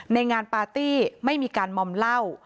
ในงานปาร์ตี้ไม่มีการมอมเหล้า